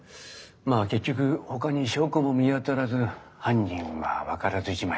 まあ結局ほかに証拠も見当たらず犯人は分からずじまいだった。